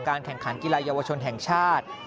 แข่งขันกีฬาเยาวชนแห่งชาติ